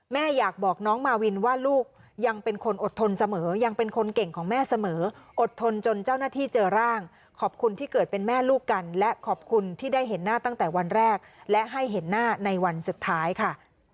แม่อยากบอกน้องมาวินว่าลูกยังเป็นคนอดทนเสมอยังเป็นคนเก่งของแม่เสมออดทนจนเจ้าหน้าที่เจอร่างขอบคุณที่เกิดเป็นแม่ลูกกันและขอบคุณที่ได้เห็นหน้าตั้งแต่วันแรกและให้เห็นหน้าในวันสุดท้ายค่ะ